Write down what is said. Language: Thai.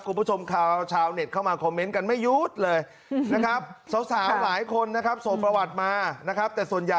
คุณผู้ชมชาวเน็ตเข้ามาคอมเมนต์กันไม่ยู๊ดเลยนะครับ